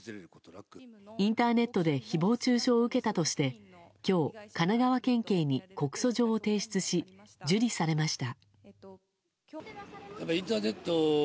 インターネットで誹謗中傷を受けたとして今日、神奈川県警に告訴状を提出し、受理されました。